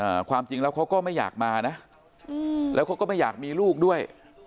ความจริงแล้วเขาก็ไม่อยากมานะอืมแล้วเขาก็ไม่อยากมีลูกด้วย